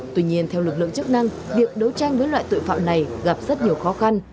tuy nhiên theo lực lượng chức năng việc đấu tranh với loại tội phạm này gặp rất nhiều khó khăn